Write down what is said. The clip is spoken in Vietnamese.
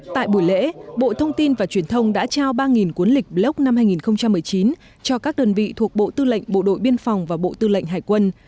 tại buổi lễ bộ thông tin và chủ tịch nước nguyễn phú trọng đã trao ba cuốn lịch block hai nghìn một mươi chín cho các đơn vị thuộc bộ tư lệnh bộ đội biên phòng và bộ tư lệnh hải quân